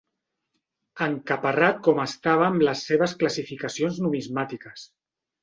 Encaparrat com estava amb les seves classificacions numismàtiques